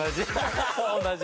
同じ。